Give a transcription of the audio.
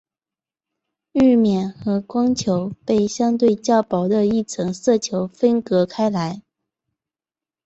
日冕和光球被相对较薄的一层色球分隔开来。